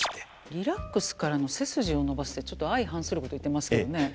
リラックスからの背筋を伸ばすってちょっと相反すること言ってますけどね。